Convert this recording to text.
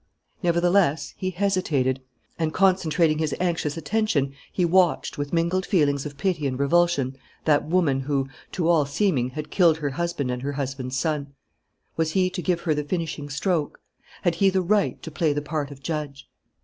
Nevertheless, he hesitated; and, concentrating his anxious attention, he watched, with mingled feelings of pity and repulsion, that woman who, to all seeming, had killed her husband and her husband's son. Was he to give her the finishing stroke? Had he the right to play the part of judge?